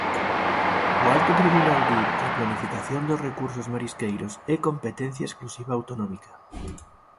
O Alto Tribunal di que a planificación dos recursos marisqueiros é competencia exclusiva autonómica.